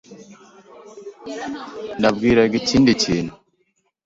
Nabwiraga ikindi kintu.